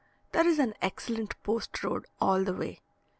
There is an excellent post road all the way.